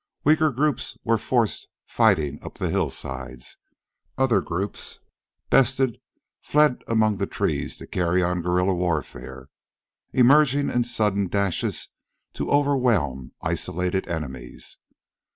Weaker groups were forced fighting up the hillsides. Other groups, bested, fled among the trees to carry on guerrilla warfare, emerging in sudden dashes to overwhelm isolated enemies.